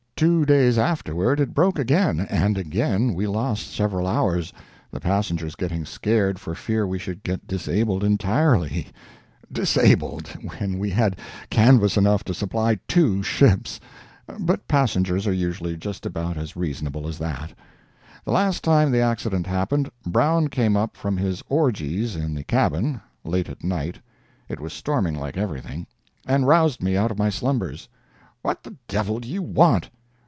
Two days afterward it broke again, and again we lost several hours—the passengers getting scared for fear we should get disabled entirely—disabled! when we had canvas enough to supply two ships; but passengers are usually just about as reasonable as that. The last time the accident happened, Brown came up from his orgies in the cabin, late at night (it was storming like everything), and roused me out of my slumbers. "What the devil do you want?"